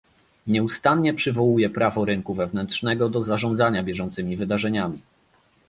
Nieustannie przywołuje prawo rynku wewnętrznego do zarządzania bieżącymi wydarzeniami